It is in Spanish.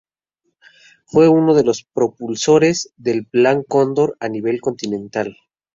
Fue uno de los propulsores del Plan Cóndor a nivel continental.